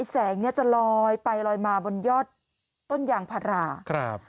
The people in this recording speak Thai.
แสงจะลอยไปลอยมาบนยอดต้นยางพารา